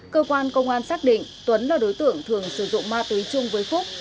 cơ quan công an xác định tuấn là đối tượng thường sử dụng ma túy chung với phúc